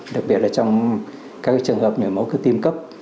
đặc biệt là trong các cái trường hợp nửa máu cơ tim cấp